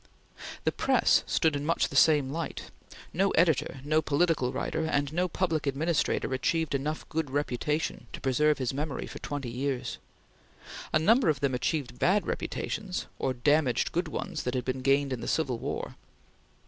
The press stood in much the same light. No editor, no political writer, and no public administrator achieved enough good reputation to preserve his memory for twenty years. A number of them achieved bad reputations, or damaged good ones that had been gained in the Civil War.